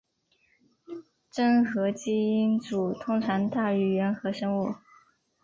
真核基因组通常大于原核生物。